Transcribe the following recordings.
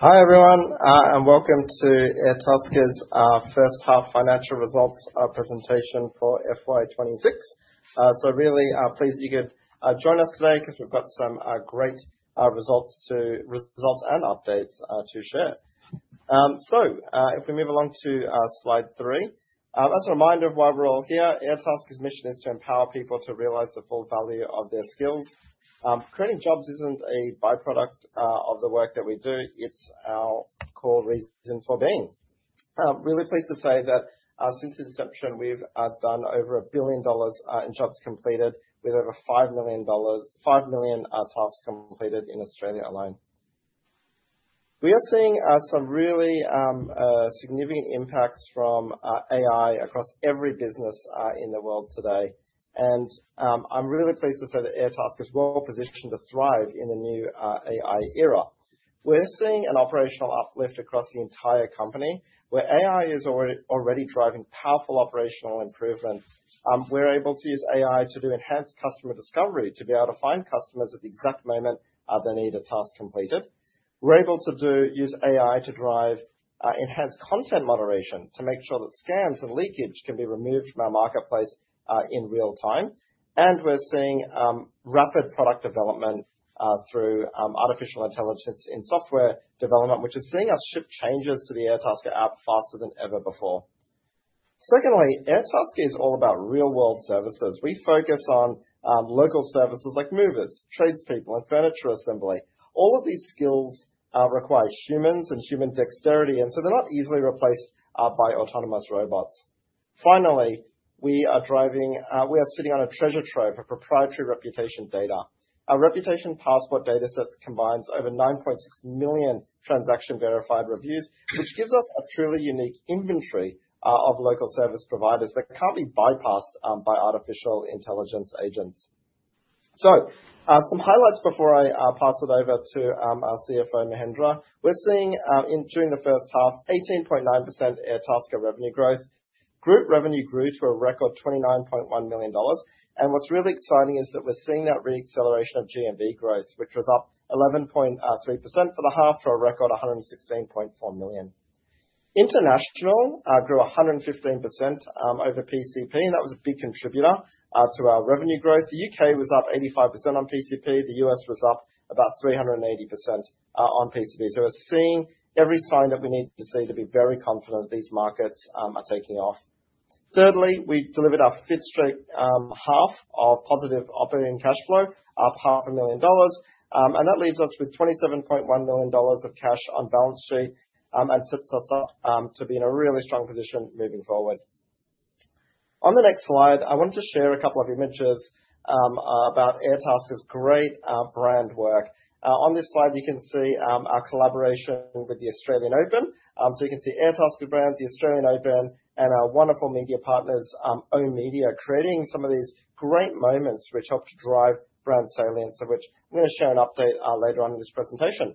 Hi, everyone, and welcome to Airtasker's First Half Financial Results Presentation for FY 2026. Really pleased you could join us today because we've got some great results and updates to share. If we move along to slide three. As a reminder of why we're all here, Airtasker's mission is to empower people to realize the full value of their skills. Creating jobs isn't a by-product of the work that we do, it's our core reason for being. Really pleased to say that since inception, we've done over 1 billion dollars in jobs completed with over five million tasks completed in Australia alone. We are seeing some really significant impacts from AI across every business in the world today. I'm really pleased to say that Airtasker is well positioned to thrive in the new AI era. We're seeing an operational uplift across the entire company where AI is already driving powerful operational improvements. We're able to use AI to do enhanced customer discovery to be able to find customers at the exact moment they need a task completed. We're able to use AI to drive enhanced content moderation to make sure that scams and leakage can be removed from our marketplace in real-time. We're seeing rapid product development through artificial intelligence in software development, which is seeing us ship changes to the Airtasker app faster than ever before. Secondly, Airtasker is all about real-world services. We focus on local services like movers, tradespeople, and furniture assembly. All of these skills require humans and human dexterity, and so they're not easily replaced by autonomous robots. Finally, we are sitting on a treasure trove of proprietary reputation data. Our Reputation Passport datasets combines over 9.6 million transaction verified reviews, which gives us a truly unique inventory of local service providers that can't be bypassed by artificial intelligence agents. Some highlights before I pass it over to our CFO, Mahendra. We're seeing during the first half, 18.9% Airtasker revenue growth. Group revenue grew to a record 29.1 million dollars. What's really exciting is that we're seeing that re-acceleration of GMV growth, which was up 11.3% for the half to a record 116.4 million. International grew 115% over PCP, and that was a big contributor to our revenue growth. The UK was up 85% on PCP. The US was up about 380% on PCP. We're seeing every sign that we need to see to be very confident these markets are taking off. Thirdly, we delivered our fifth straight half of positive operating cash flow, up AUD half a million. That leaves us with 27.1 million dollars of cash on balance sheet, and sets us up to be in a really strong position moving forward. On the next slide, I wanted to share a couple of images about Airtasker's great brand work. On this slide, you can see our collaboration with the Australian Open. You can see Airtasker brand, the Australian Open, and our wonderful media partners, oOh!media, creating some of these great moments which help to drive brand salience, of which I'm gonna share an update later on in this presentation.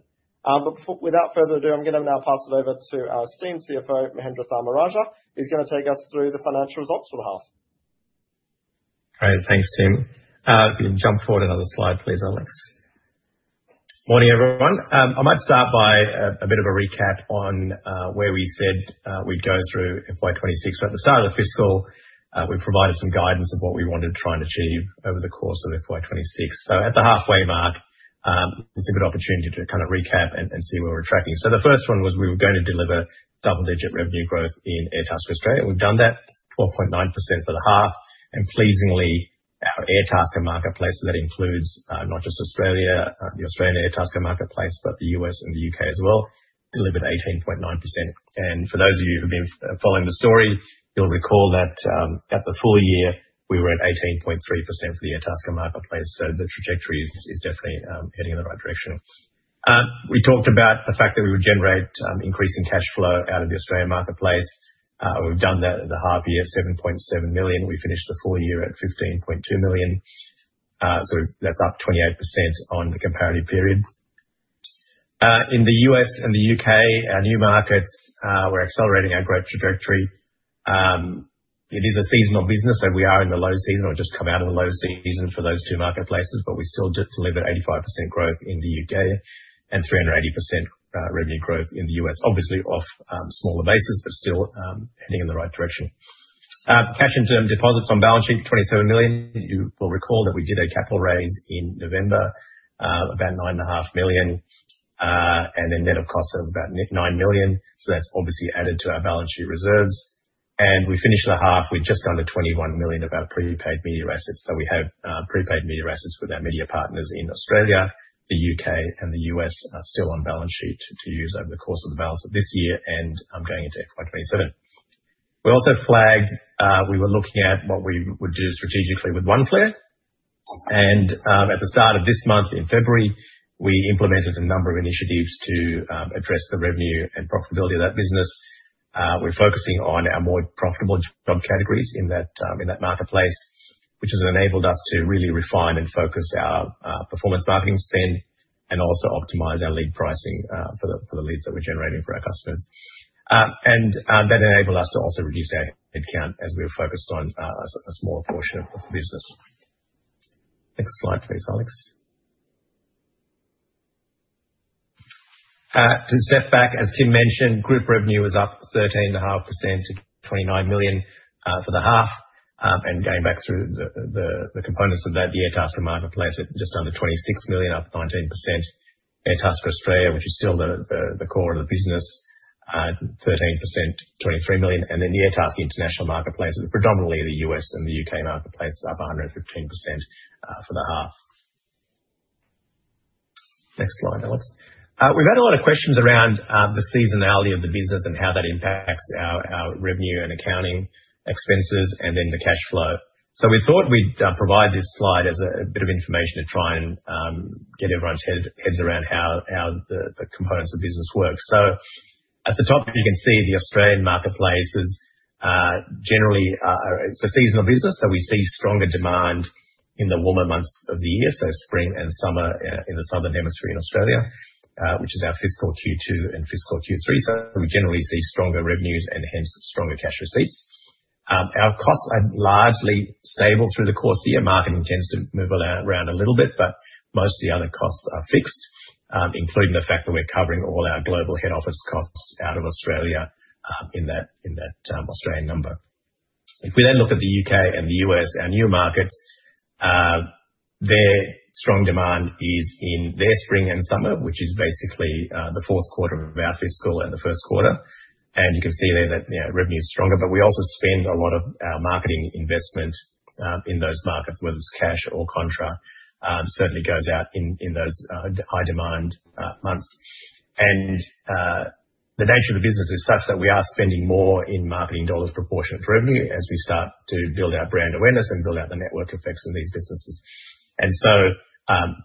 Without further ado, I'm gonna now pass it over to our esteemed CFO, Mahendra Tharmarajah, who's gonna take us through the financial results for the half. Great. Thanks, Tim. If you can jump forward another slide, please, Alex. Morning, everyone. I might start by a bit of a recap on where we said we'd go through FY 2026. At the start of the fiscal, we provided some guidance of what we wanted to try and achieve over the course of FY 2026. At the halfway mark, it's a good opportunity to kind of recap and see where we're tracking. The first one was we were going to deliver double-digit revenue growth in Airtasker Australia. We've done that, 4.9% for the half. Pleasingly, our Airtasker marketplace, so that includes not just Australia, the Australian Airtasker marketplace, but the US and the UK as well, delivered 18.9%. For those of you who've been following the story, you'll recall that, at the full year, we were at 18.3% for the Airtasker marketplace. The trajectory is definitely heading in the right direction. We talked about the fact that we would generate increasing cash flow out of the Australian marketplace. We've done that at the half year, 7.7 million. We finished the full year at 15.2 million. That's up 28% on the comparative period. In the U.S. and the U.K., our new markets, we're accelerating our growth trajectory. It is a seasonal business, so we are in the low season or just come out of the low season for those two marketplaces, but we still delivered 85% growth in the UK and 380% revenue growth in the US. Obviously off smaller bases, but still heading in the right direction. Cash and term deposits on balance sheet, 27 million. You will recall that we did a capital raise in November, about 9.5 million. The net of cost was about 9 million. That's obviously added to our balance sheet reserves. We finished the half with just under 21 million of our prepaid media assets. We have prepaid media assets with our media partners in Australia, the U.K., and the U.S. are still on balance sheet to use over the course of the balance of this year and going into FY 2027. We also flagged we were looking at what we would do strategically with Oneflare. At the start of this month, in February, we implemented a number of initiatives to address the revenue and profitability of that business. We're focusing on our more profitable job categories in that marketplace, which has enabled us to really refine and focus our performance marketing spend and also optimize our lead pricing for the leads that we're generating for our customers. That enabled us to also reduce our head count as we were focused on a smaller portion of the business. Next slide please, Alex. To step back, as Tim mentioned, group revenue was up 13.5% to 29 million for the half. Going back through the components of that, the Airtasker marketplace at just under 26 million, up 19%. Airtasker Australia, which is still the core of the business, 13%, 23 million. The Airtasker international marketplace is predominantly the U.S. and the U.K. marketplace, up 115% for the half. Next slide, Alex. We've had a lot of questions around the seasonality of the business and how that impacts our revenue and accounting expenses and then the cash flow. We thought we'd provide this slide as a bit of information to try and get everyone's heads around how the components of the business work. At the top you can see the Australian marketplace is generally. It's a seasonal business, so we see stronger demand in the warmer months of the year, so spring and summer in the southern hemisphere in Australia, which is our fiscal Q2 and fiscal Q3. We generally see stronger revenues and hence stronger cash receipts. Our costs are largely stable through the course of the year. Marketing tends to move around a little bit, but most of the other costs are fixed, including the fact that we're covering all our global head office costs out of Australia in that Australian number. If we then look at the UK and the US, our new markets, their strong demand is in their spring and summer, which is basically the fourth quarter of our fiscal and the first quarter. You can see there that, you know, revenue is stronger. We also spend a lot of our marketing investment in those markets, whether it's cash or contra, certainly goes out in those high demand months. The nature of the business is such that we are spending more in marketing dollars proportion to revenue as we start to build our brand awareness and build out the network effects in these businesses. Though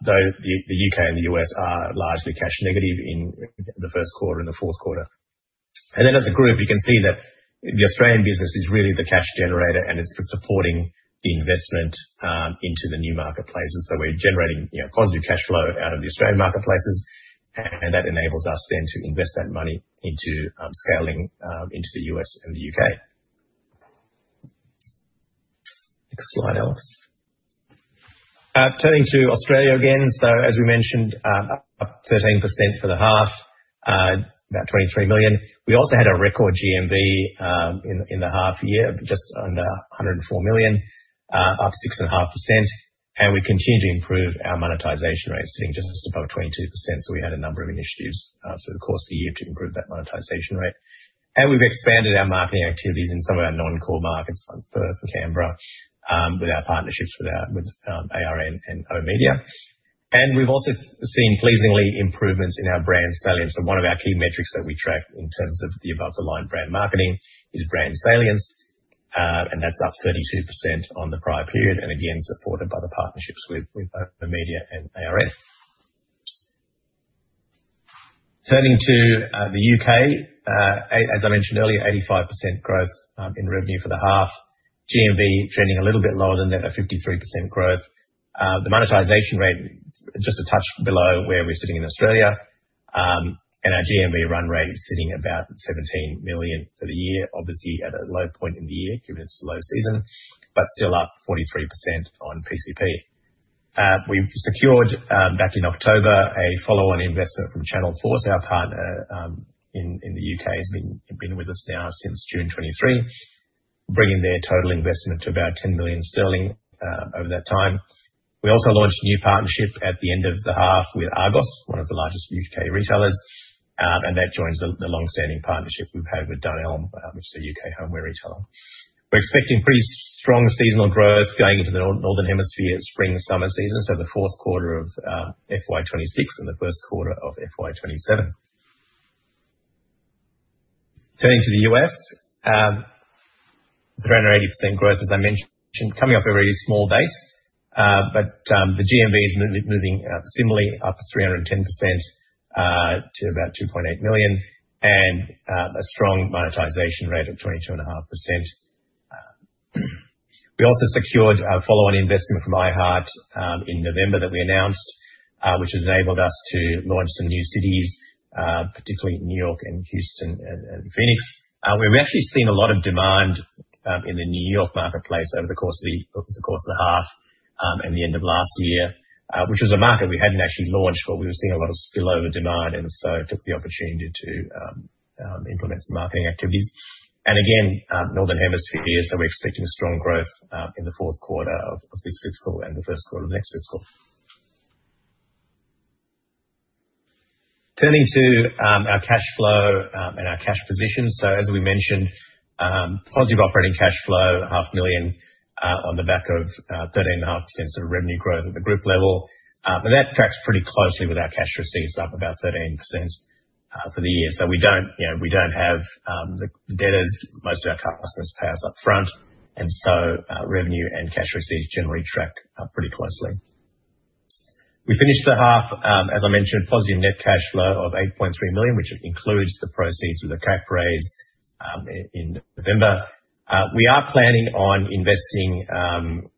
the UK and the US are largely cash negative in the first quarter and the fourth quarter. As a group, you can see that the Australian business is really the cash generator and it's supporting the investment into the new marketplaces. We're generating positive cash flow out of the Australian marketplaces and that enables us then to invest that money into scaling into the US and the UK. Next slide, Alex. Turning to Australia again. As we mentioned, up 13% for the half, about 23 million. We also had a record GMV in the half year, just under 104 million, up 6.5%. We continue to improve our monetization rate, sitting just above 22%. We had a number of initiatives through the course of the year to improve that monetization rate. We've expanded our marketing activities in some of our non-core markets like Perth and Canberra, with our partnerships with ARN and oOh!media. We've also seen, pleasingly, improvements in our brand salience. One of our key metrics that we track in terms of the above the line brand marketing is brand salience. That's up 32% on the prior period, and again, supported by the partnerships with oOh!media and ARN. Turning to the UK. As I mentioned earlier, 85% growth in revenue for the half. GMV trending a little bit lower than that at 53% growth. The monetization rate just a touch below where we're sitting in Australia. Our GMV run rate is sitting about 17 million for the year, obviously at a low point in the year given it's low season, but still up 43% on PCP. We've secured back in October a follow-on investment from Channel 4, our partner in the UK, has been with us now since June 2023, bringing their total investment to about 10 million sterling over that time. We also launched a new partnership at the end of the half with Argos, one of the largest UK retailers, and that joins the long-standing partnership we've had with Dunelm, which is a UK homeware retailer. We're expecting pretty strong seasonal growth going into the northern hemisphere spring/summer season, so the fourth quarter of FY 2026 and the first quarter of FY 2027. Turning to the US. 380% growth, as I mentioned, coming off a very small base. The GMV is moving similarly up 310% to about 2.8 million and a strong monetization rate of 22.5%. We also secured a follow-on investment from iHeart in November that we announced, which has enabled us to launch some new cities, particularly New York and Houston and Phoenix. We've actually seen a lot of demand in the New York marketplace over the course of the half and the end of last year. Which was a market we hadn't actually launched, but we were seeing a lot of spillover demand and so took the opportunity to implement some marketing activities. Again, northern hemisphere here, so we're expecting strong growth in the fourth quarter of this fiscal and the first quarter of next fiscal. Turning to our cash flow and our cash position. As we mentioned, positive operating cash flow of AUD half million on the back of 13.5% revenue growth at the group level. That tracks pretty closely with our cash receipts up about 13% for the year. We don't, you know, we don't have the debtors. Most of our customers pay us up front. Revenue and cash receipts generally track pretty closely. We finished the half, as I mentioned, positive net cash flow of 8.3 million, which includes the proceeds of the cap raise in November. We are planning on investing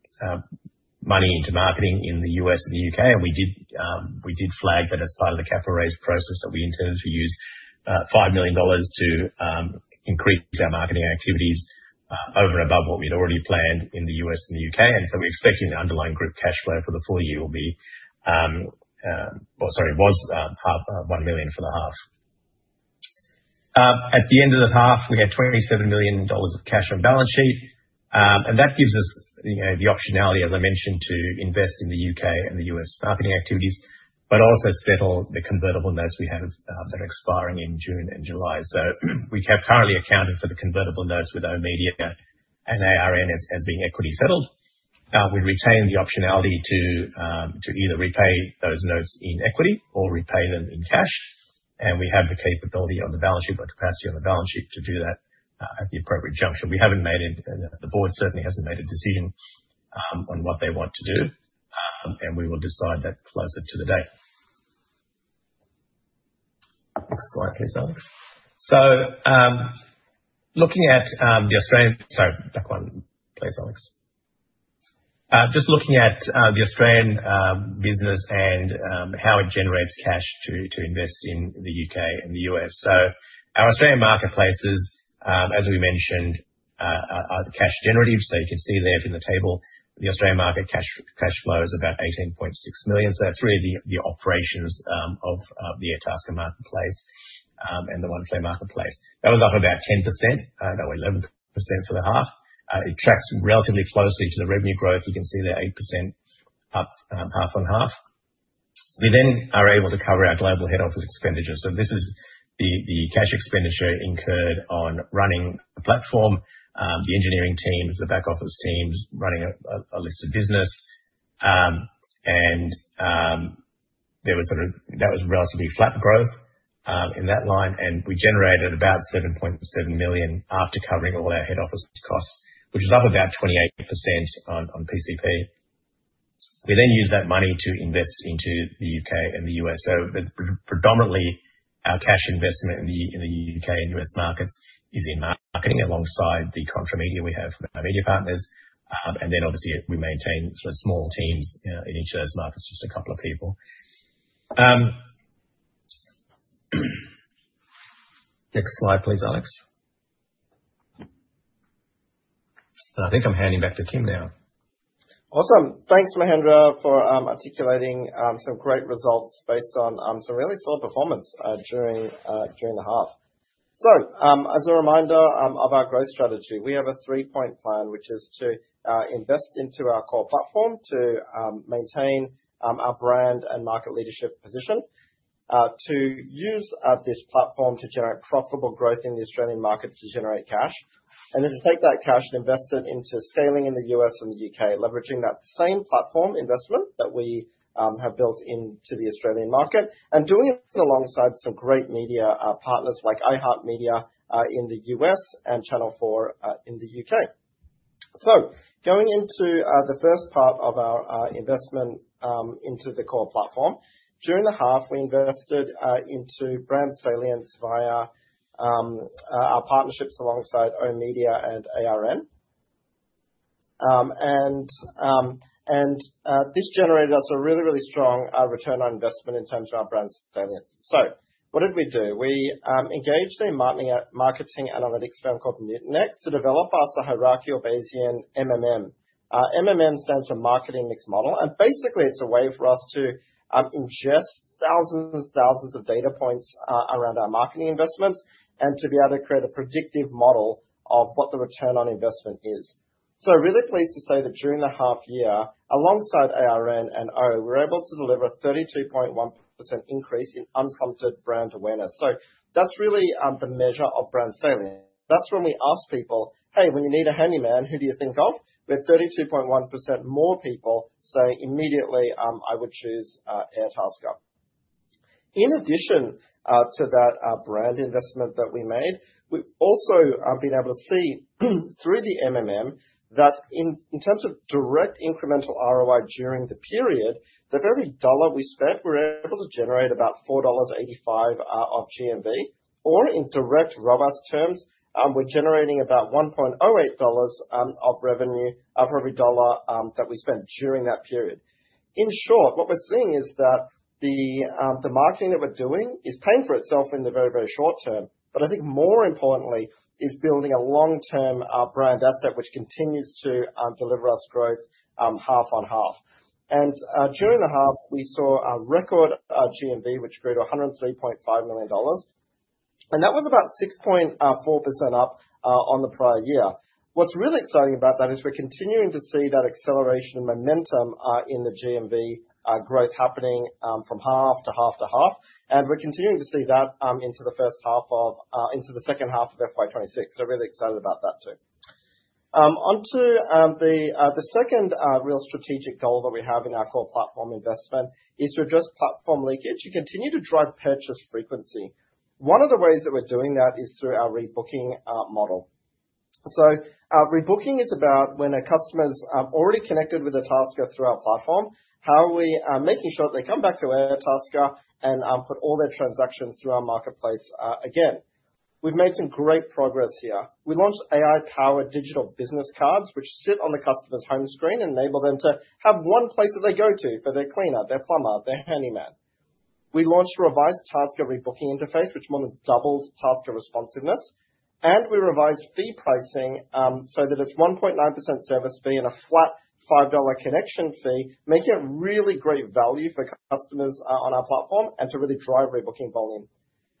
money into marketing in the U.S. and the U.K., and we did flag that as part of the capital raise process that we intended to use $5 million to increase our marketing activities over and above what we'd already planned in the U.S. and the U.K. We're expecting the underlying group cash flow for the full year will be. Or sorry, was $1 million for the half. At the end of the half, we had $27 million of cash on balance sheet. That gives us, you know, the optionality, as I mentioned, to invest in the U.K. and the U.S. marketing activities, but also settle the convertible notes we have that are expiring in June and July. We have currently accounted for the convertible notes with oOh!media and ARN as being equity settled. We retain the optionality to either repay those notes in equity or repay them in cash. We have the capability on the balance sheet or capacity on the balance sheet to do that at the appropriate juncture. We haven't made any. The board certainly hasn't made a decision on what they want to do, and we will decide that closer to the date. Next slide please, Alex. Looking at the Australian. Sorry, back one please, Alex. Just looking at the Australian business and how it generates cash to invest in the UK and the US. Our Australian marketplaces, as we mentioned, are cash generative. You can see there from the table, the Australian market cash flow is about 18.6 million. That's really the operations of the Airtasker marketplace and the Oneflare marketplace. That was up about 10%. No, 11% for the half. It tracks relatively closely to the revenue growth. You can see there 8% up, half on half. We then are able to cover our global head office expenditures. This is the cash expenditure incurred on running the platform, the engineering teams, the back office teams running a listed business. That was relatively flat growth in that line. We generated about 7.7 million after covering all our head office costs, which was up about 28% on PCP. We use that money to invest into the U.K. and the U.S. Predominantly, our cash investment in the U.K. and U.S. markets is in marketing alongside the contra media we have with our media partners. We obviously maintain sort of small teams in each of those markets, just a couple of people. Next slide please, Alex. I think I'm handing back to Tim now. Awesome. Thanks, Mahendra, for articulating some great results based on some really solid performance during the half. As a reminder of our growth strategy. We have a three-point plan, which is to invest into our core platform to maintain our brand and market leadership position. To use this platform to generate profitable growth in the Australian market to generate cash. Then to take that cash and invest it into scaling in the U.S. and the U.K., leveraging that same platform investment that we have built into the Australian market. Doing it alongside some great media partners like iHeartMedia in the U.S. and Channel 4 in the U.K. Going into the first part of our investment into the core platform. During the half, we invested into brand salience via our partnerships alongside oOh!media and ARN. This generated us a really strong return on investment in terms of our brand salience. What did we do? We engaged a marketing analytics firm called Mutinex to develop us a hierarchical Bayesian MMM. MMM stands for Marketing Mix Model. Basically, it's a way for us to ingest thousands and thousands of data points around our marketing investments and to be able to create a predictive model of what the return on investment is. Really pleased to say that during the half year, alongside ARN and oOh!media, we were able to deliver a 32.1% increase in unprompted brand awareness. That's really the measure of brand salience. That's when we ask people, "Hey, when you need a handyman, who do you think of?" We had 32.1% more people saying immediately, "I would choose Airtasker." In addition to that brand investment that we made, we've also been able to see through the MMM that in terms of direct incremental ROI during the period, for every dollar we spent, we were able to generate about 4.85 dollars of GMV. Or in direct robust terms, we're generating about 1.08 dollars of revenue for every dollar that we spent during that period. In short, what we're seeing is that the marketing that we're doing is paying for itself in the very, very short term. I think more importantly is building a long-term brand asset which continues to deliver us growth half on half. During the half, we saw a record GMV which grew to 103.5 million dollars. That was about 6.4% up on the prior year. What's really exciting about that is we're continuing to see that acceleration and momentum in the GMV growth happening from half to half to half. We're continuing to see that into the second half of FY 2026. Really excited about that too. Onto the second real strategic goal that we have in our core platform investment is to address platform leakage and continue to drive purchase frequency. One of the ways that we're doing that is through our rebooking model. Rebooking is about when a customer's already connected with Airtasker through our platform, how are we making sure they come back to Airtasker and put all their transactions through our marketplace again. We've made some great progress here. We launched AI-powered digital business cards which sit on the customer's home screen and enable them to have one place that they go to for their cleaner, their plumber, their handyman. We launched a revised Tasker rebooking interface, which more than doubled Tasker responsiveness, and we revised fee pricing so that it's 1.9% service fee and a flat 5 dollar connection fee, making it really great value for customers on our platform and to really drive rebooking volume.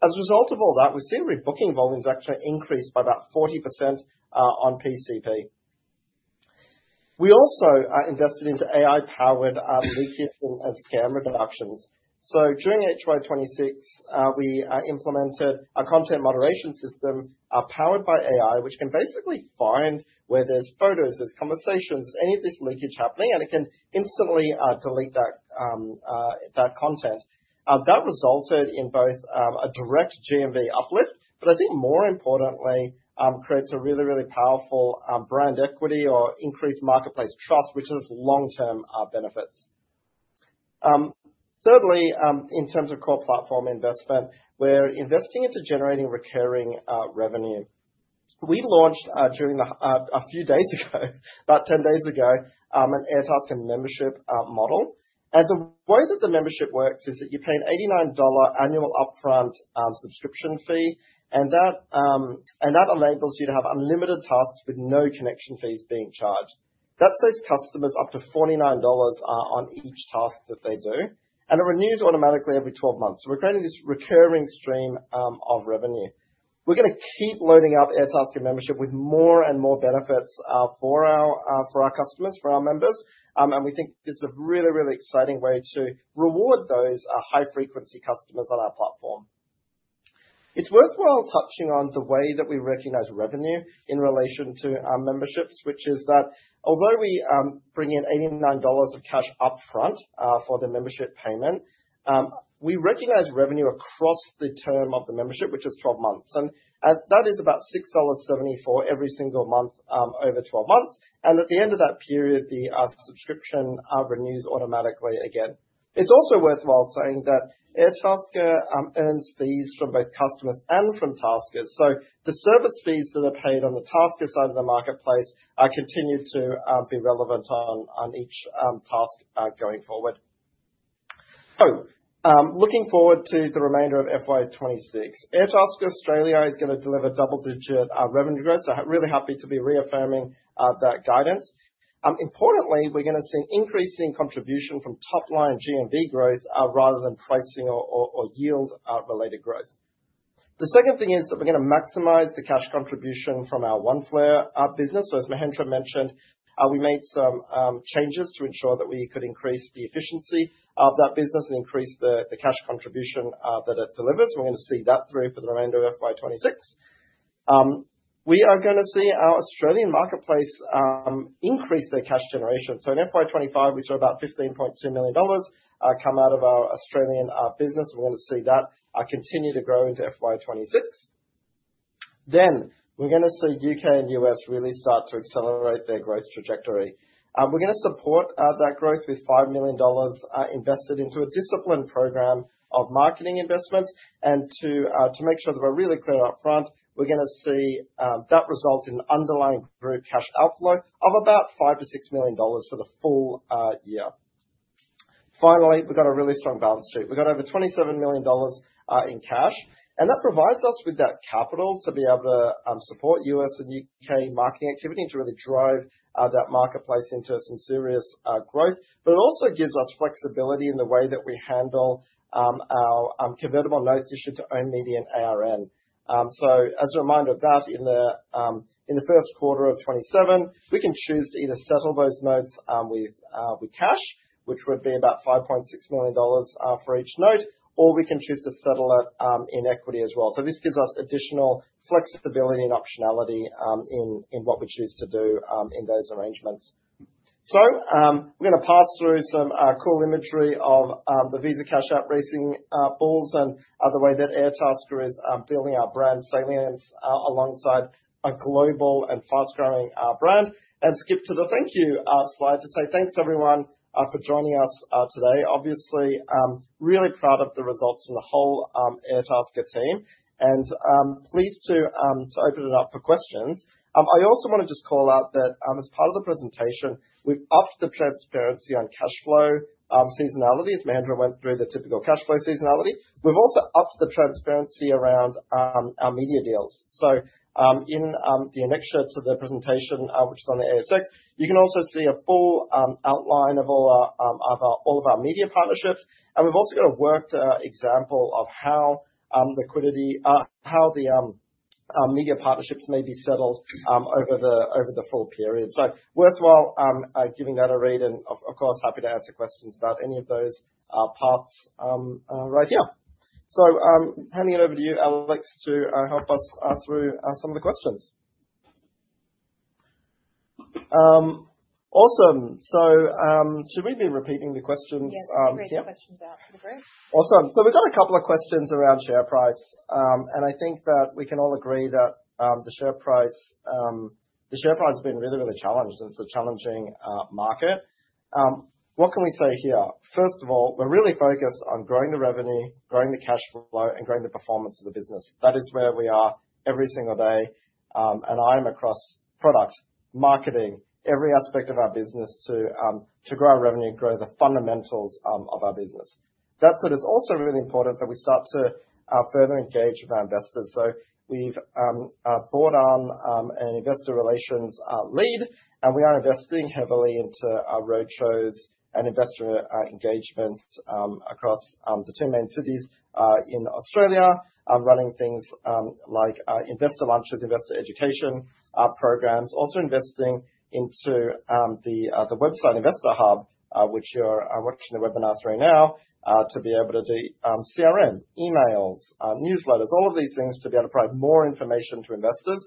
As a result of all that, we've seen rebooking volumes actually increase by about 40% on PCP. We also invested into AI-powered leakage and scam reductions. During FY 2026, we implemented a content moderation system powered by AI, which can basically find where there's photos, there's conversations, any of this leakage happening, and it can instantly delete that content. That resulted in both a direct GMV uplift, but I think more importantly creates a really powerful brand equity or increased marketplace trust, which has long-term benefits. Thirdly, in terms of core platform investment, we're investing into generating recurring revenue. We launched a few days ago, about 10 days ago, an Airtasker membership model. The way that the membership works is that you pay an 89 dollar annual upfront subscription fee, and that enables you to have unlimited tasks with no connection fees being charged. That saves customers up to 49 dollars on each task that they do, and it renews automatically every 12 months. We're creating this recurring stream of revenue. We're gonna keep loading up Airtasker Membership with more and more benefits for our customers, for our members, and we think it's a really, really exciting way to reward those high-frequency customers on our platform. It's worthwhile touching on the way that we recognize revenue in relation to our memberships, which is that although we bring in 89 dollars of cash upfront for the membership payment, we recognize revenue across the term of the membership, which is 12 months and that is about 6.74 dollars every single month over 12 months. At the end of that period, the subscription renews automatically again. It's also worthwhile saying that Airtasker earns fees from both customers and from Taskers. The service fees that are paid on the Tasker side of the marketplace continue to be relevant on each task going forward. Looking forward to the remainder of FY 2026. Airtasker Australia is gonna deliver double-digit revenue growth. I'm really happy to be reaffirming that guidance. Importantly, we're gonna see increasing contribution from top-line GMV growth rather than pricing or yield related growth. The second thing is that we're gonna maximize the cash contribution from our Oneflare business. As Mahendra mentioned, we made some changes to ensure that we could increase the efficiency of that business and increase the cash contribution that it delivers. We're gonna see that through for the remainder of FY 2026. We are gonna see our Australian marketplace increase their cash generation. In FY 2025, we saw about 15.2 million dollars come out of our Australian business. We're gonna see that continue to grow into FY 2026. We're gonna see UK and US really start to accelerate their growth trajectory. We're gonna support that growth with 5 million dollars invested into a disciplined program of marketing investments and to make sure that we're really clear upfront, we're gonna see that result in underlying group cash outflow of about 5-6 million dollars for the full year. Finally, we've got a really strong balance sheet. We've got over 27 million dollars in cash, and that provides us with that capital to be able to support US and UK marketing activity to really drive that marketplace into some serious growth. It also gives us flexibility in the way that we handle our convertible notes issued to oOh!media and ARN. As a reminder of that, in the first quarter of 2027, we can choose to either settle those notes with cash, which would be about $5.6 million for each note, or we can choose to settle it in equity as well. This gives us additional flexibility and optionality in what we choose to do in those arrangements. I'm gonna pass through some cool imagery of the Visa Cash App RB and the way that Airtasker is building our brand salience alongside a global and fast-growing brand, and skip to the thank you slide to say thanks everyone for joining us today. Obviously, really proud of the results and the whole Airtasker team and pleased to open it up for questions. I also wanna just call out that as part of the presentation, we've upped the transparency on cash flow seasonality. As Mahendra went through the typical cash flow seasonality. We've also upped the transparency around our media deals. In the annexures of the presentation, which is on the ASX, you can also see a full outline of all our media partnerships. We've also got a worked example of how the media partnerships may be settled over the full period. Worthwhile giving that a read and, of course, happy to answer questions about any of those parts right here. Handing it over to you, Alex, to help us through some of the questions. Awesome. Should we be repeating the questions? Yes. Yeah. Read the questions out to the group. Awesome. We've got a couple of questions around share price. I think that we can all agree that the share price has been really, really challenged, and it's a challenging market. What can we say here? First of all, we're really focused on growing the revenue, growing the cash flow and growing the performance of the business. That is where we are every single day. I am across product, marketing, every aspect of our business to grow our revenue, grow the fundamentals of our business. That said, it's also really important that we start to further engage with our investors. We've brought on an investor relations lead, and we are investing heavily into our roadshows and investor engagement across the two main cities in Australia. Running things, like, investor lunches, investor education, programs. Also investing into the website Investor Hub, which you're watching the webinar through now, to be able to do CRM, emails, newsletters, all of these things to be able to provide more information to investors.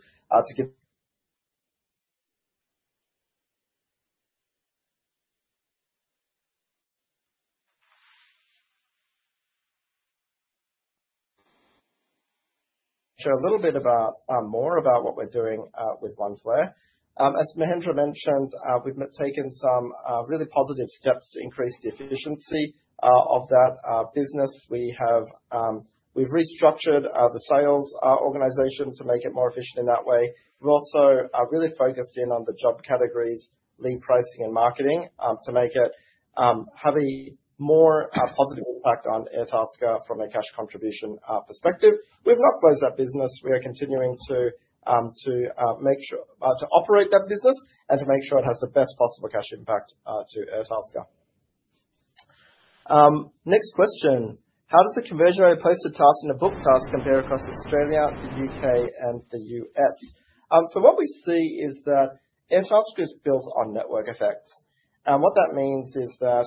A little bit more about what we're doing with Oneflare. As Mahendra mentioned, we've taken some really positive steps to increase the efficiency of that business. We've restructured the sales organization to make it more efficient in that way. We also are really focused in on the job categories, lead pricing and marketing, to make it have a more positive impact on Airtasker from a cash contribution perspective. We've not closed that business. We are continuing to operate that business and to make sure it has the best possible cash impact to Airtasker. Next question: How does the conversion rate of posted tasks and a booked task compare across Australia, the U.K. and the U.S.? What we see is that Airtasker is built on network effects. What that means is that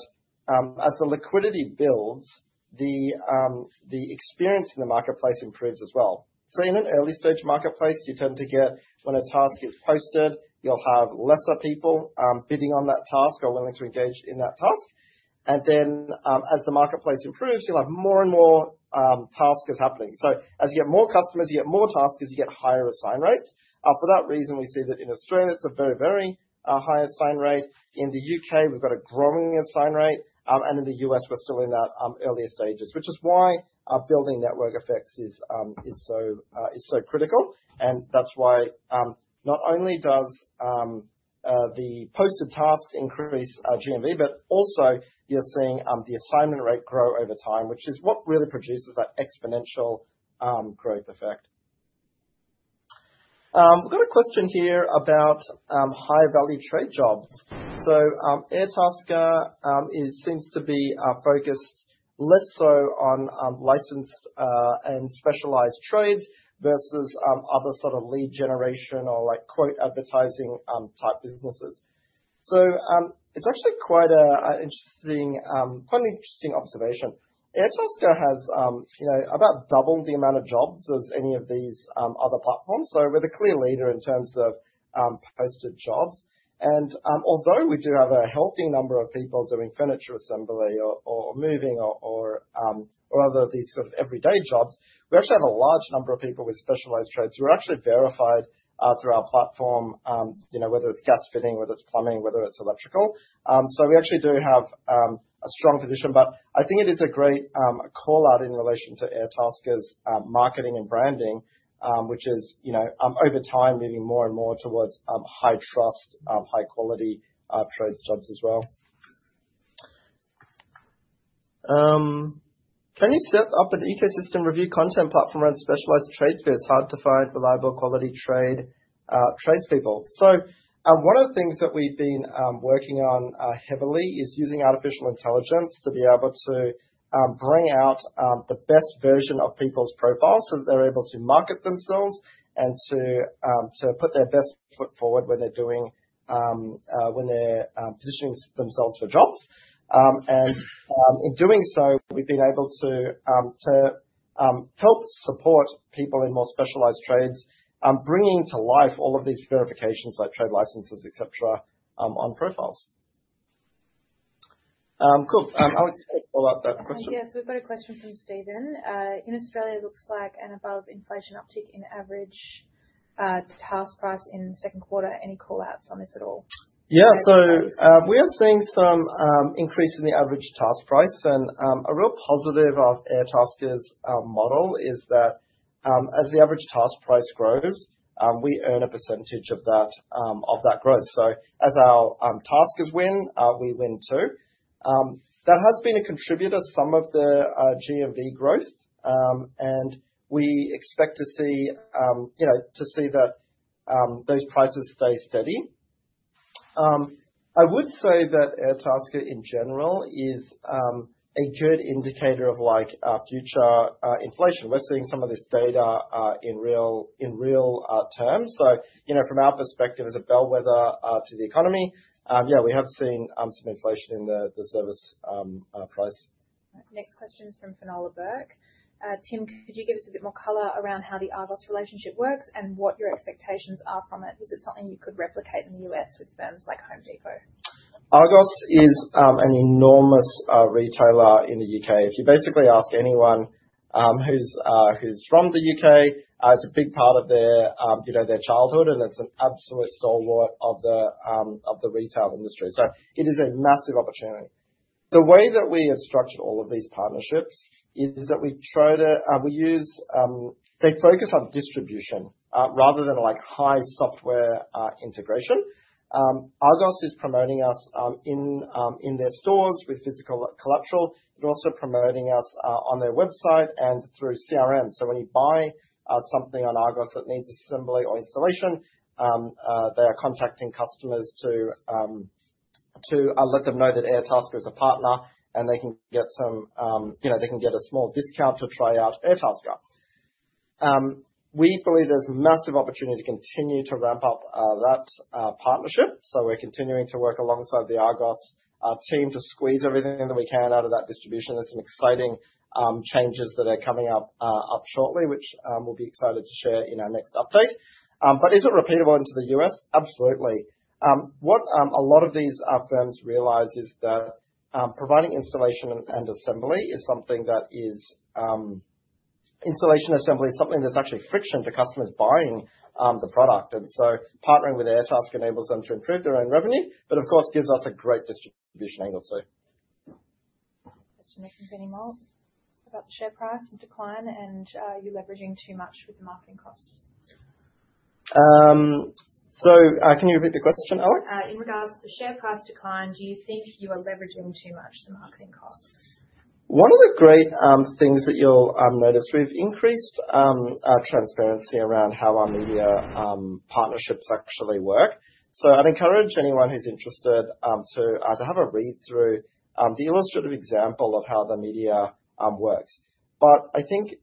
as the liquidity builds, the experience in the marketplace improves as well. In an early stage marketplace, you tend to get when a task is posted, you'll have lesser people bidding on that task or willing to engage in that task. As the marketplace improves, you'll have more and more tasks happening. As you get more customers, you get more taskers, you get higher assign rates. For that reason, we see that in Australia it's a very high Assign Rate. In the UK, we've got a growing Assign Rate. In the US we're still in that earlier stages, which is why building network effects is so critical. That's why not only does the posted tasks increase GMV, but also you're seeing the Assign Rate grow over time, which is what really produces that exponential growth effect. We've got a question here about high-value trade jobs. Airtasker seems to be focused less so on licensed and specialized trades versus other sort of lead generation or like quote advertising type businesses. It's actually quite an interesting observation. Airtasker has, you know, about double the amount of jobs as any of these other platforms. We're the clear leader in terms of posted jobs. Although we do have a healthy number of people doing furniture assembly or moving or other of these sort of everyday jobs, we actually have a large number of people with specialized trades who are actually verified through our platform, you know, whether it's gas fitting, whether it's plumbing, whether it's electrical. We actually do have a strong position. I think it is a great call-out in relation to Airtasker's marketing and branding, which is, you know, over time leaning more and more towards high trust, high quality trades jobs as well. Can you set up an ecosystem review content platform around specialized trades where it's hard to find reliable quality tradespeople? One of the things that we've been working on heavily is using artificial intelligence to be able to bring out the best version of people's profiles so that they're able to market themselves and to put their best foot forward when they're positioning themselves for jobs. In doing so, we've been able to help support people in more specialized trades, bringing to life all of these verifications like trade licenses, et cetera, on profiles. Cool. Alex, follow up that question. Yes. We've got a question from Stephen. In Australia, it looks like an above inflation uptick in average task price in the second quarter. Any call-outs on this at all? Yeah. We are seeing some increase in the average task price. A real positive of Airtasker's model is that, as the average task price grows, we earn a percentage of that growth. So as our taskers win, we win too. That has been a contributor to some of the GMV growth. We expect to see you know that those prices stay steady. I would say that Airtasker in general is a good indicator of, like, future inflation. We're seeing some of this data in real terms. You know, from our perspective as a bellwether to the economy, yeah, we have seen some inflation in the service price. Next question is from Finola Burke. Tim, could you give us a bit more color around how the Argos relationship works and what your expectations are from it? Is it something you could replicate in the U.S. with firms like Home Depot? Argos is an enormous retailer in the U.K. If you basically ask anyone who's from the U.K., it's a big part of their you know, their childhood, and it's an absolute stalwart of the retail industry, so it is a massive opportunity. The way that we have structured all of these partnerships is that we use. They focus on distribution rather than like high software integration. Argos is promoting us in their stores with physical collateral. They're also promoting us on their website and through CRM. When you buy something on Argos that needs assembly or installation, they are contacting customers to let them know that Airtasker is a partner and they can get some. You know, they can get a small discount to try out Airtasker. We believe there's massive opportunity to continue to ramp up that partnership, so we're continuing to work alongside the Argos team to squeeze everything that we can out of that distribution. There's some exciting changes that are coming up shortly, which we'll be excited to share in our next update. Is it repeatable into the U.S.? Absolutely. What a lot of these firms realize is that installation and assembly is something that's actually friction to customers buying the product. Partnering with Airtasker enables them to improve their own revenue, but of course gives us a great distribution angle too. Question in from Benny Moore about the share price decline and you leveraging too much with the marketing costs. Can you repeat the question, Alex? In regards to the share price decline, do you think you are leveraging too much the marketing costs? One of the great things that you'll notice, we've increased our transparency around how our media partnerships actually work. I'd encourage anyone who's interested to have a read through the illustrative example of how the media works. I think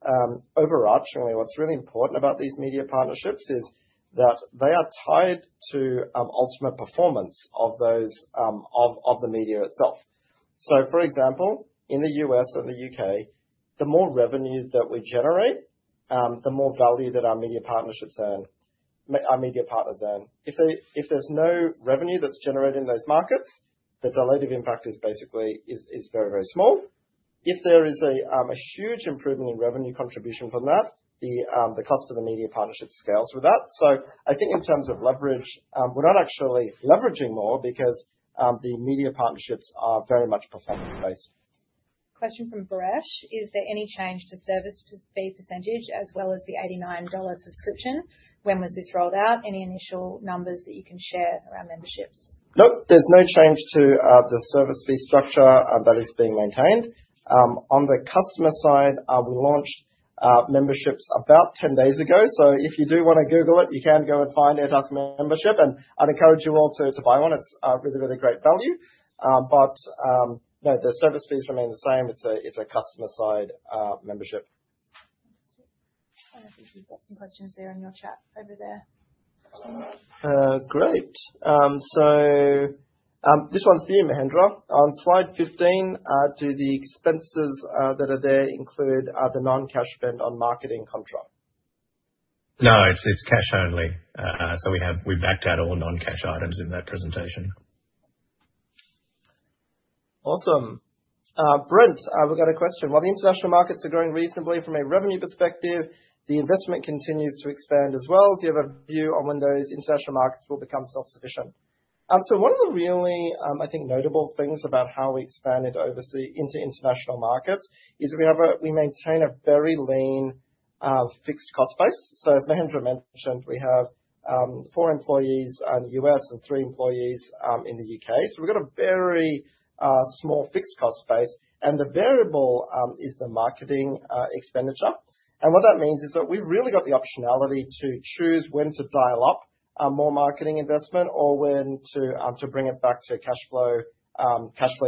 overarchingly what's really important about these media partnerships is that they are tied to ultimate performance of those of the media itself. For example, in the U.S. or the U.K., the more revenue that we generate, the more value that our media partners earn. If there's no revenue that's generated in those markets, the dilutive impact is basically very small. If there is a huge improvement in revenue contribution from that, the cost of the media partnership scales with that. I think in terms of leverage, we're not actually leveraging more because the media partnerships are very much performance-based. Question from Paresh: Is there any change to service fee percentage as well as the 89 dollar subscription? When was this rolled out? Any initial numbers that you can share around memberships? Nope. There's no change to the service fee structure. That is being maintained. On the customer side, we launched memberships about 10 days ago, so if you do wanna Google it, you can go and find Airtasker Membership, and I'd encourage you all to buy one. It's really, really great value. No, the service fees remain the same. It's a customer side membership. I think you've got some questions there in your chat over there. Great. This one's for you, Mahendra. On slide 15, do the expenses that are there include the non-cash spend on marketing contra? No, it's cash only. We backed out all non-cash items in that presentation. Awesome. Brent, we've got a question. While the international markets are growing reasonably from a revenue perspective, the investment continues to expand as well. Do you have a view on when those international markets will become self-sufficient? One of the really, I think notable things about how we expanded overseas into international markets is we maintain a very lean, fixed cost base. As Mahendra mentioned, we have four employees in the U.S. and three employees in the U.K. So we've got a very small fixed cost base, and the variable is the marketing expenditure. What that means is that we've really got the optionality to choose when to dial up more marketing investment or when to bring it back to cash flow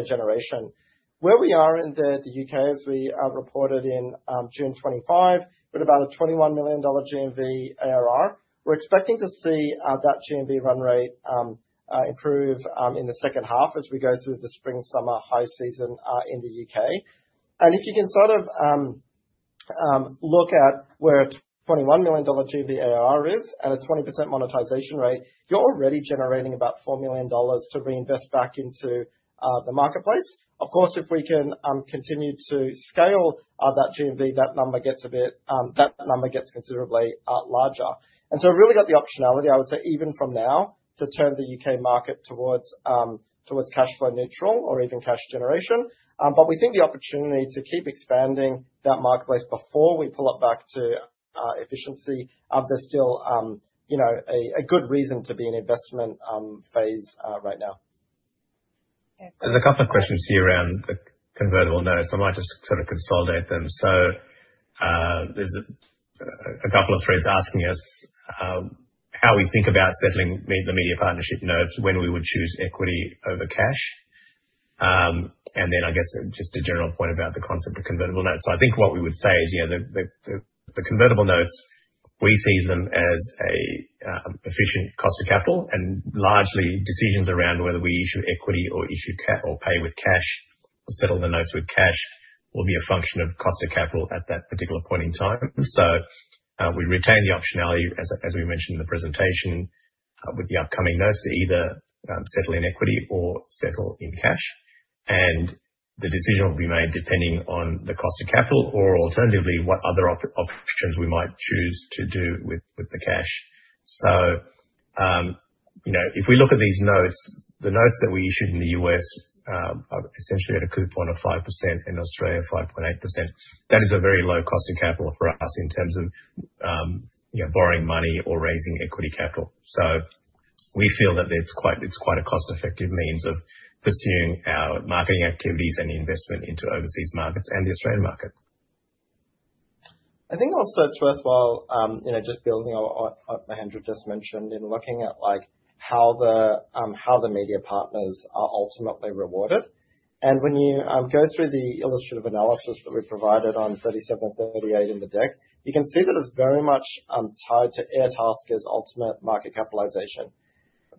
generation. Where we are in the UK, as we reported in June 2025, we're at about a 21 million dollar GMV ARR. We're expecting to see that GMV run rate improve in the second half as we go through the spring/summer high season in the UK. If you can sort of look at where a 21 million dollar GMV ARR is at a 20% monetization rate, you're already generating about 4 million dollars to reinvest back into the marketplace. Of course, if we can continue to scale that GMV, that number gets considerably larger. We've really got the optionality, I would say, even from now, to turn the UK market towards cash flow neutral or even cash generation. We think the opportunity to keep expanding that marketplace before we pull it back to efficiency. There's still, you know, a good reason to be in investment phase right now. Okay. There's a couple of questions here around the convertible notes. I might just sort of consolidate them. There's a couple of threads asking us how we think about settling the media partnership notes, when we would choose equity over cash. I guess just a general point about the concept of convertible notes. I think what we would say is, you know, the convertible notes we see them as an efficient cost of capital and largely decisions around whether we issue equity or pay with cash or settle the notes with cash will be a function of cost of capital at that particular point in time. We retain the optionality as we mentioned in the presentation with the upcoming notes to either settle in equity or settle in cash. The decision will be made depending on the cost of capital or alternatively, what other options we might choose to do with the cash. You know, if we look at these notes, the notes that we issued in the U.S., are essentially at a coupon of 5%, in Australia 5.8%. That is a very low cost of capital for us in terms of, you know, borrowing money or raising equity capital. We feel that it's quite a cost-effective means of pursuing our marketing activities and investment into overseas markets and the Australian market. I think also it's worthwhile, you know, just building on what Mahendra just mentioned in looking at, like, how the media partners are ultimately rewarded. When you go through the illustrative analysis that we provided on 3,738 in the deck, you can see that it's very much tied to Airtasker's ultimate market capitalization.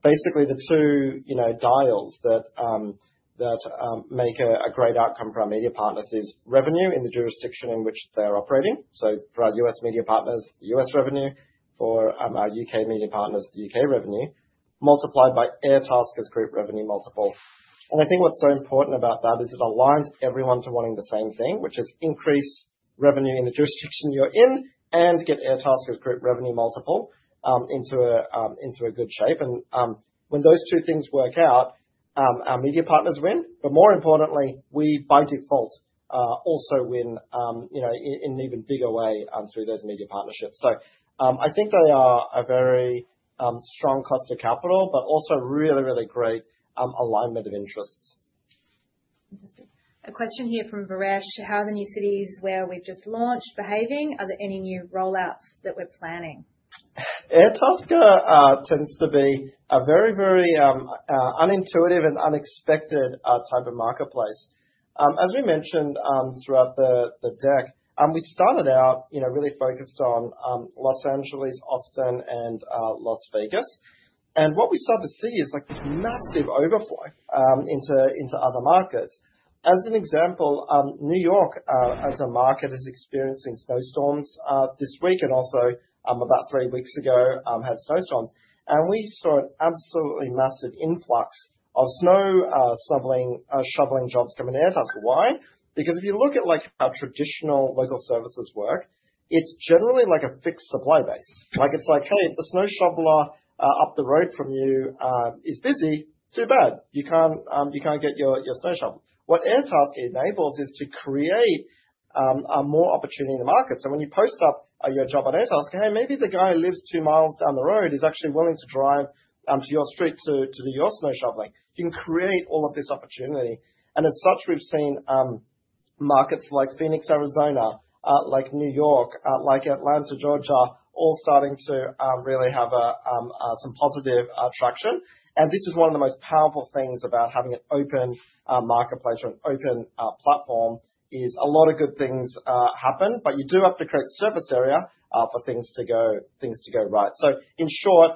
Basically, the two, you know, dials that make a great outcome for our media partners is revenue in the jurisdiction in which they are operating. For our US media partners, US revenue. For our UK media partners, UK revenue multiplied by Airtasker's group revenue multiple. I think what's so important about that is it aligns everyone to wanting the same thing, which is increase revenue in the jurisdiction you're in and get Airtasker's group revenue multiple into a good shape. When those two things work out, our media partners win, but more importantly, we, by default, also win, you know, in even bigger way through those media partnerships. I think they are a very strong cost of capital, but also really, really great alignment of interests. Interesting. A question here from Paresh: How are the new cities where we've just launched behaving? Are there any new rollouts that we're planning? Airtasker tends to be a very unintuitive and unexpected type of marketplace. As we mentioned throughout the deck, we started out, you know, really focused on Los Angeles, Austin and Las Vegas. What we started to see is, like, this massive overflow into other markets. As an example, New York as a market is experiencing snowstorms this week, and also about three weeks ago had snowstorms. We saw an absolutely massive influx of snow shoveling jobs coming to Airtasker. Why? Because if you look at, like, how traditional local services work, it's generally like a fixed supply base. Like, it's like, hey, if the snow shoveler up the road from you is busy, too bad. You can't get your snow shoveled. What Airtasker enables is to create more opportunity in the market. When you post up your job on Airtasker, hey, maybe the guy who lives two miles down the road is actually willing to drive to your street to do your snow shoveling. You can create all of this opportunity. As such, we've seen markets like Phoenix, Arizona, like New York, like Atlanta, Georgia, all starting to really have some positive traction. This is one of the most powerful things about having an open marketplace or an open platform is a lot of good things happen, but you do have to create surface area for things to go right. In short,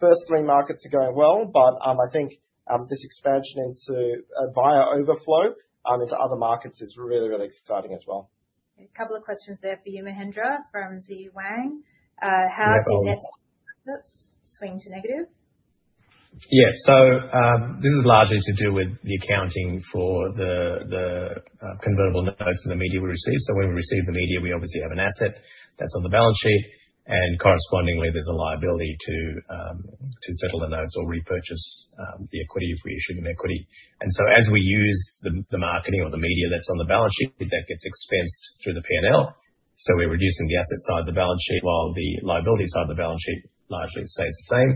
first three markets are going well, but I think this expansion into via overflow into other markets is really, really exciting as well. A couple of questions there for you, Mahendra, from Zhi Wang. Yeah. How did net swing to negative? This is largely to do with the accounting for the convertible notes and the media we received. When we received the media, we obviously have an asset that's on the balance sheet, and correspondingly, there's a liability to settle the notes or repurchase the equity if we issued an equity. As we use the media that's on the balance sheet, that gets expensed through the P&L. We're reducing the asset side of the balance sheet while the liability side of the balance sheet largely stays the same.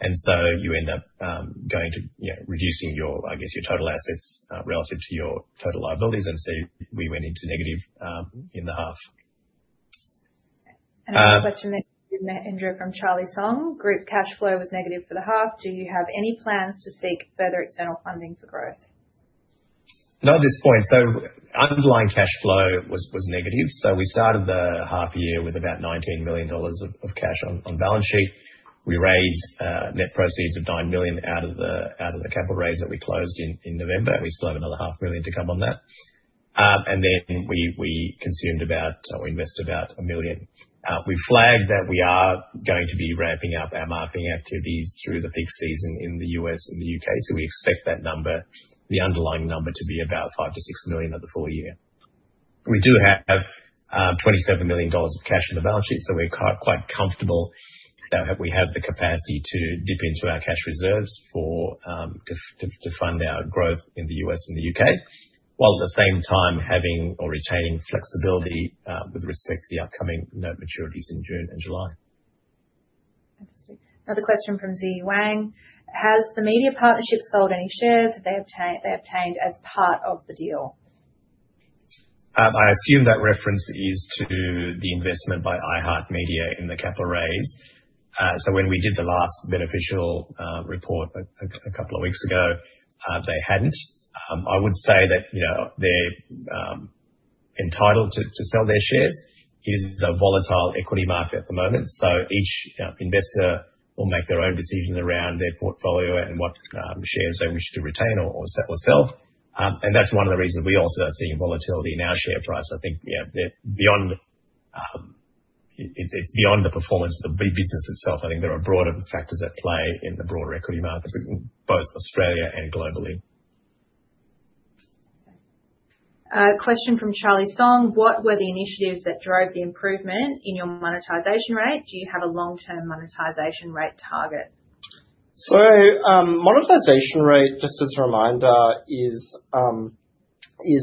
You end up, you know, reducing your, I guess, your total assets relative to your total liabilities, and we went into negative in the half. Another question there, Mahendra, from Charlie Song. Group cash flow was negative for the half. Do you have any plans to seek further external funding for growth? Not at this point. Underlying cash flow was negative. We started the half year with about 19 million dollars of cash on balance sheet. We raised net proceeds of 9 million out of the capital raise that we closed in November, and we still have another 0.5 million to come on that. We invested about 1 million. We flagged that we are going to be ramping up our marketing activities through the peak season in the U.S. and the U.K. We expect that number, the underlying number to be about 5 million-6 million over the full year. We do have 27 million dollars of cash on the balance sheet, so we're quite comfortable that we have the capacity to dip into our cash reserves to fund our growth in the U.S. and the U.K., while at the same time having or retaining flexibility with respect to the upcoming note maturities in June and July. Interesting. Another question from Zhi Wang. Has the media partnership sold any shares that they obtained as part of the deal? I assume that reference is to the investment by iHeartMedia in the capital raise. When we did the last beneficial report a couple of weeks ago, they hadn't. I would say that, you know, they're entitled to sell their shares. It is a volatile equity market at the moment, so each investor will make their own decision around their portfolio and what shares they wish to retain or sell. That's one of the reasons we also are seeing volatility in our share price. I think, yeah, they're beyond. It's beyond the performance of the business itself. I think there are broader factors at play in the broader equity markets in both Australia and globally. Question from Charlie Song: What were the initiatives that drove the improvement in your monetization rate? Do you have a long-term monetization rate target? Monetization rate, just as a reminder, is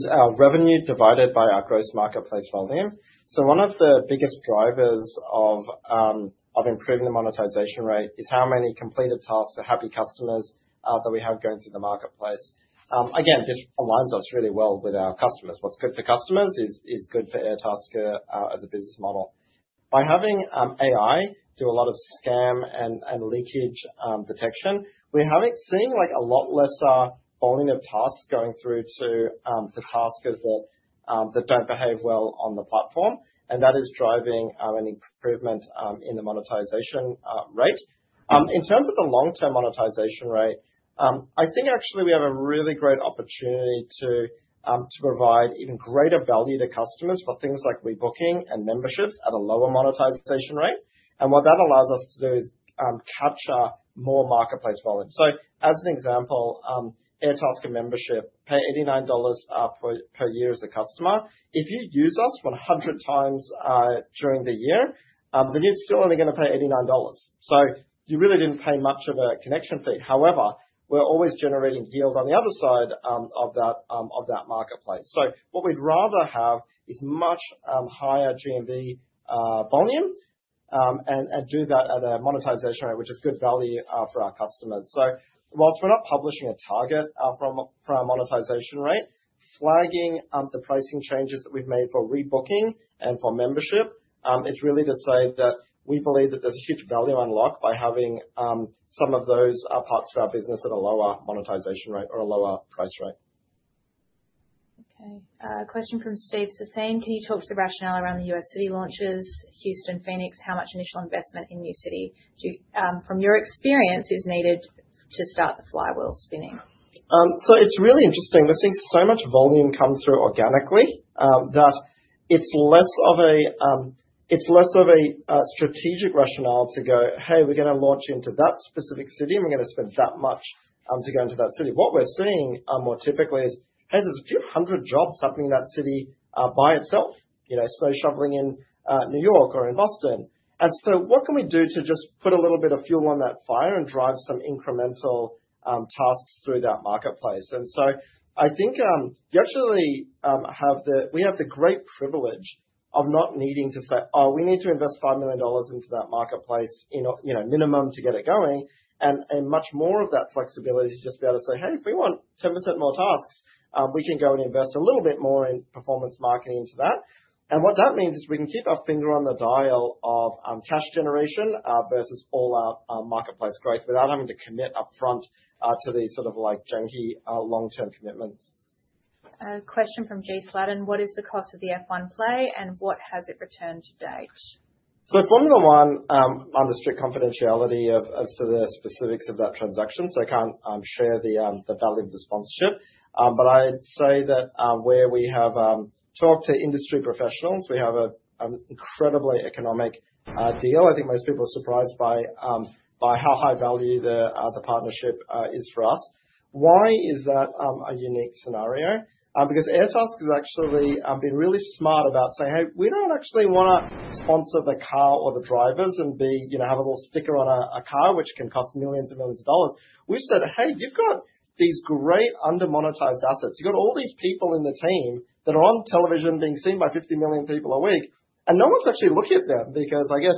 our revenue divided by our gross marketplace volume. One of the biggest drivers of improving the monetization rate is how many completed tasks to happy customers that we have going through the marketplace. Again, this aligns us really well with our customers. What's good for customers is good for Airtasker as a business model. By having AI do a lot of scam and leakage detection, we're seeing, like, a lot lesser volume of tasks going through to taskers that don't behave well on the platform, and that is driving an improvement in the monetization rate. In terms of the long-term monetization rate, I think actually we have a really great opportunity to provide even greater value to customers for things like rebooking and memberships at a lower monetization rate. What that allows us to do is capture more marketplace volume. As an example, Airtasker Membership pays 89 dollars per year as a customer. If you use us 100 times during the year, then you're still only gonna pay 89 dollars. You really didn't pay much of a connection fee. However, we're always generating deals on the other side of that marketplace. What we'd rather have is much higher GMV volume and do that at a monetization rate which is good value for our customers. While we're not publishing a target for our monetization rate, flagging the pricing changes that we've made for rebooking and for membership is really to say that we believe that there's huge value unlocked by having some of those parts of our business at a lower monetization rate or a lower price rate. Question from Steve Susi: Can you talk to the rationale around the new city launches, Houston, Phoenix? How much initial investment in new city from your experience is needed to start the flywheel spinning? It's really interesting. We're seeing so much volume come through organically that it's less of a strategic rationale to go, "Hey, we're gonna launch into that specific city, and we're gonna spend that much to go into that city." What we're seeing more typically is, "Hey, there's a few hundred jobs happening in that city by itself," you know, snow shoveling in New York or in Boston. What can we do to just put a little bit of fuel on that fire and drive some incremental tasks through that marketplace? I think we actually have the great privilege of not needing to say, "Oh, we need to invest 5 million dollars into that marketplace in a minimum to get it going." Much more of that flexibility to just be able to say, "Hey, if we want 10% more tasks, we can go and invest a little bit more in performance marketing into that." What that means is we can keep our finger on the dial of cash generation versus all our marketplace growth without having to commit upfront to these sort of like janky long-term commitments. Question from Jay Sladden: What is the cost of the F1 play, and what has it returned to date? Formula One, under strict confidentiality as to the specifics of that transaction, I can't share the value of the sponsorship. I'd say that, where we have talked to industry professionals, we have an incredibly economical deal. I think most people are surprised by how high-value the partnership is for us. Why is that a unique scenario? Because Airtasker's actually been really smart about saying, "Hey, we don't actually wanna sponsor the car or the drivers and be, you know, have a little sticker on a car which can cost millions and millions of dollars." We've said, "Hey, you've got these great under-monetized assets. You've got all these people in the team that are on television being seen by 50 million people a week, and no one's actually looking at them. Because I guess,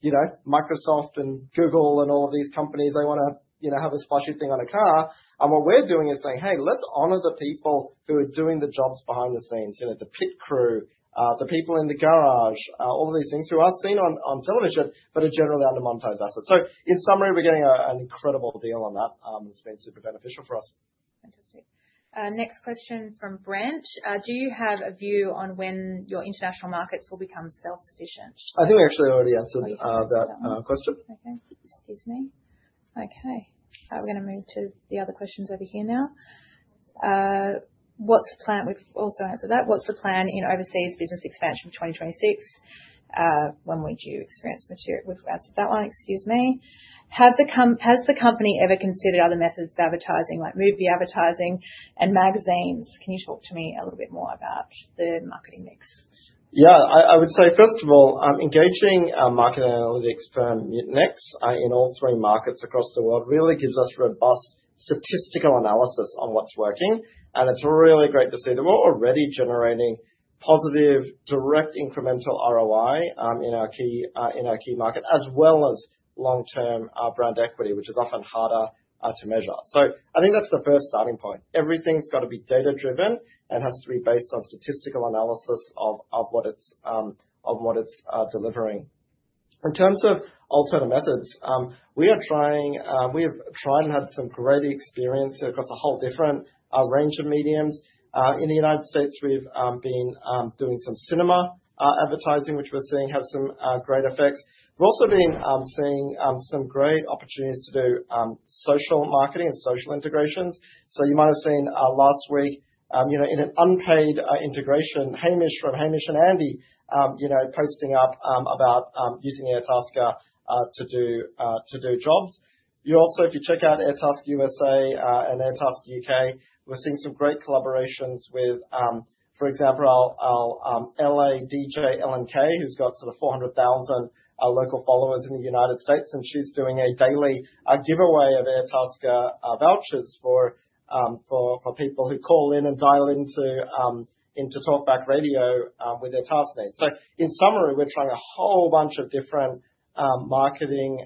you know, Microsoft and Google and all of these companies, they wanna, you know, have a splashy thing on a car. What we're doing is saying, "Hey, let's honor the people who are doing the jobs behind the scenes," you know, the pit crew, the people in the garage, all of these things who are seen on television but are generally under-monetized assets. In summary, we're getting an incredible deal on that. It's been super beneficial for us. Fantastic. Next question from Branch: Do you have a view on when your international markets will become self-sufficient? I think we actually already answered that question. We're gonna move to the other questions over here now. We've also answered that. What's the plan in overseas business expansion in 2026? We've answered that one. Excuse me. Has the company ever considered other methods of advertising like movie advertising and magazines? Can you talk to me a little bit more about the marketing mix? Yeah. I would say, first of all, engaging our market analytics firm, Mutinex, in all three markets across the world really gives us robust statistical analysis on what's working, and it's really great to see that we're already generating positive, direct incremental ROI in our key market, as well as long-term brand equity, which is often harder to measure. I think that's the first starting point. Everything's gotta be data-driven and has to be based on statistical analysis of what it's delivering. In terms of alternative methods, we have tried and had some great experience across a whole different range of mediums. In the United States, we've been doing some cinema advertising, which we're seeing have some great effects. We've also been seeing some great opportunities to do social marketing and social integrations. You might have seen last week, you know, in an unpaid integration, Hamish from Hamish & Andy, you know, posting up about using Airtasker to do jobs. You also, if you check out Airtasker USA and Airtasker UK, we're seeing some great collaborations with, for example, our LA DJ, Ellen K, who's got sort of 400,000 local followers in the United States, and she's doing a daily giveaway of Airtasker vouchers for people who call in and dial into talkback radio with their task needs. In summary, we're trying a whole bunch of different marketing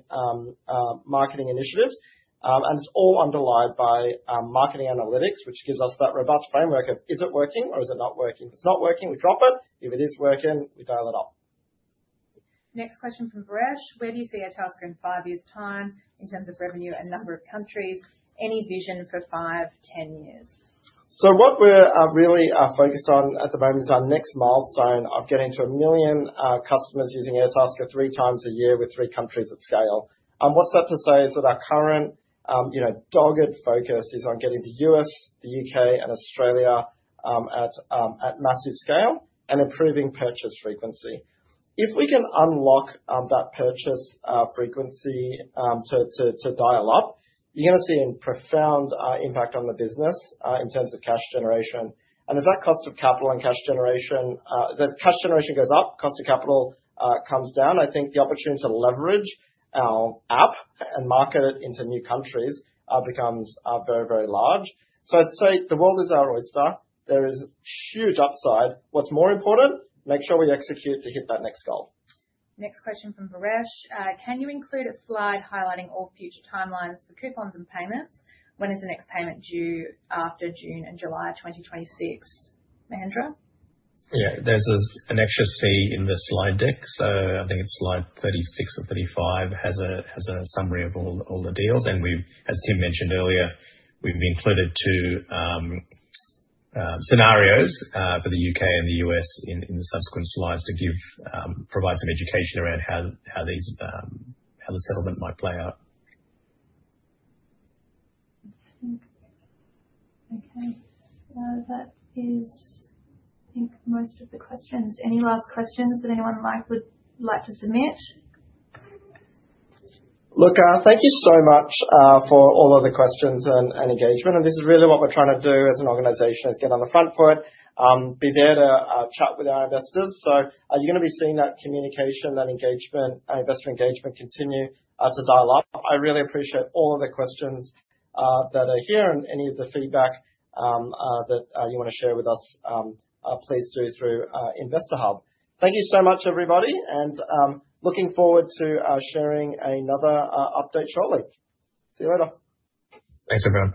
initiatives. It's all underlined by marketing analytics, which gives us that robust framework of is it working or is it not working? If it's not working, we drop it. If it is working, we dial it up. Next question from Paresh: Where do you see Airtasker in five years' time in terms of revenue and number of countries? Any vision for five, ten years? What we're really focused on at the moment is our next milestone of getting to 1 million customers using Airtasker three times a year with three countries at scale. What's that to say is that our current, you know, dogged focus is on getting the U.S., the U.K., and Australia at massive scale and improving purchase frequency. If we can unlock that purchase frequency to dial up, you're gonna see a profound impact on the business in terms of cash generation. The cash generation goes up, cost of capital comes down. I think the opportunity to leverage our app and market it into new countries becomes very, very large. I'd say the world is our oyster. There is huge upside. What's more important, make sure we execute to hit that next goal. Next question from Paresh: Can you include a slide highlighting all future timelines for coupons and payments? When is the next payment due after June and July 2026? Mahendra? Yeah. There's an extra C in the slide deck. I think it's slide 36 or 35 has a summary of all the deals. As Tim mentioned earlier, we've included two scenarios for the U.K. and the U.S. in the subsequent slides to provide some education around how these, how the settlement might play out. I think. Okay. That is, I think, most of the questions. Any last questions that anyone would like to submit? Look, thank you so much for all of the questions and engagement. This is really what we're trying to do as an organization, is get on the front foot, be there to chat with our investors. You're gonna be seeing that communication, that engagement, our investor engagement continue to dial up. I really appreciate all of the questions that are here and any of the feedback that you wanna share with us, please do through Investor Hub. Thank you so much, everybody, and looking forward to sharing another update shortly. See you later. Thanks, everyone.